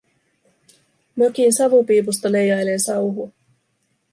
Mökin savupiipusta leijailee sauhua.